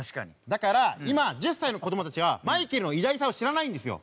だから今１０歳の子どもたちはマイケルの偉大さを知らないんですよ。